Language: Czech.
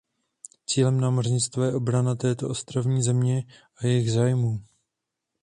Cílem námořnictva je obrana této ostrovní země a jejích zájmů.